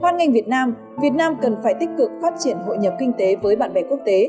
hoan nghênh việt nam việt nam cần phải tích cực phát triển hội nhập kinh tế với bạn bè quốc tế